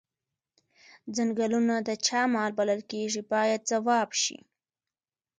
څنګلونه د چا مال بلل کیږي باید ځواب شي.